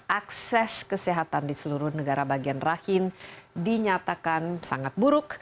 akses kesehatan di seluruh negara bagian rakhine dinyatakan sangat buruk